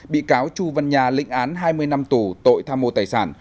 bị cáo chu văn nha lịnh án hai mươi năm tù tội tham mô tài sản